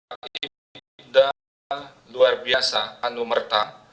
aibda luar biasa anumerta